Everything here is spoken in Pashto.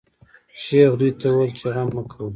شیخ دوی ته وویل چې غم مه کوی.